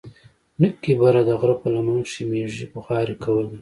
نوکي بره د غره په لمن کښې مېږې بوغارې کولې.